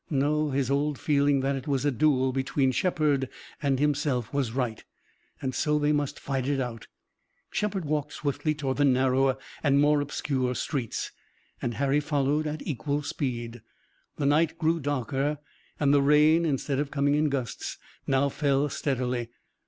No, his old feeling that it was a duel between Shepard and himself was right, and so they must fight it out. Shepard walked swiftly toward the narrower and more obscure streets, and Harry followed at equal speed. The night grew darker and the rain, instead of coming in gusts, now fell steadily.